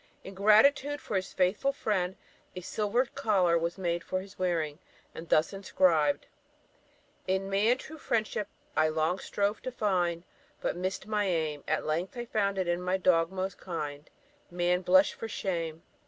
In gratitude for his faithful friend, a silver collar was made for his wearing, and thus inscribed: "In man, true friendship I long strove to find, but missed my aim; At length I found it in my dog most kind; man! blush for shame."